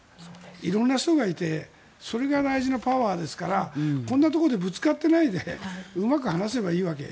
色んな人がいてそれが大事なパワーですからこんなところでぶつかってないでうまく話せばいいわけ。